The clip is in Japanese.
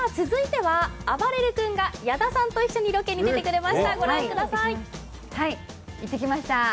続いては、あばれる君が矢田さんと一緒にロケに出てくれました。